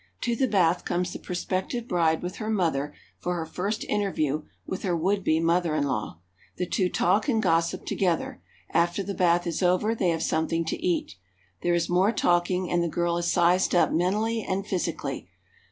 To the bath comes the prospective bride with her mother for her first interview with her would be mother in law. The two talk and gossip to gether. After the bath is over they have something to eat. There is more talking, and the girl is sized up mentally and physically.